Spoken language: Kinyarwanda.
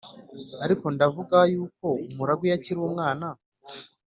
Ariko ndavuga yuko umuragwa iyo akiri umwana